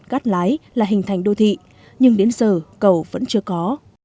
cắt lái là hình thành đô thị nhưng đến giờ cầu vẫn chưa có